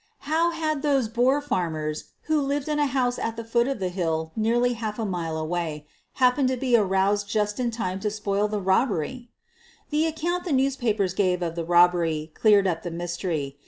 How had those Boer farmers, who lived in a house at the foot of the hill nearty half a mile away, happened to be aroused just in time to spoil the robbery? 230 SOPHIE LYONS The account the newspapers gave of the robbery cleared up the mystery.